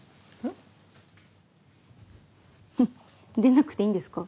ん？出なくていいんですか？